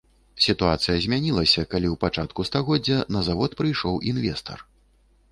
Сітуацыя змянілася, калі ў пачатку стагоддзя на завод прыйшоў інвестар.